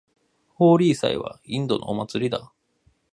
ホーリー祭はインドのお祭りだ。